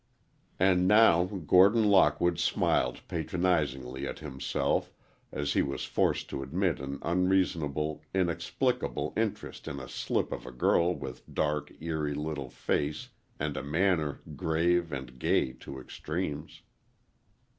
And now, Gordon Lockwood smiled patronizingly at himself, as he was forced to admit an unreasonable, inexplicable interest in a slip of a girl with a dark, eerie little face and a manner grave and gay to extremes.